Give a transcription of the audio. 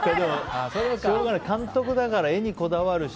しょうがない、監督だから画にこだわるし。